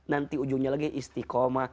nanti ujungnya lagi istiqomah